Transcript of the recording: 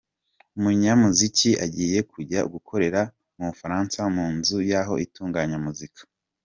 Umunyamiziki agiye kujya gukorera mu Bufaransa mu nzu yaho itunganya muzika